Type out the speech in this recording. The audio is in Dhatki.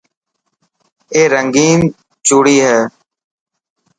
اي رنگين چوڙي هي.